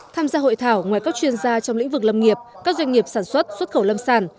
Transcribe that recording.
tham gia hội thảo ngoài các chuyên gia trong lĩnh vực lâm nghiệp các doanh nghiệp sản xuất xuất khẩu lâm sản